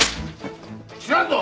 知らんぞ！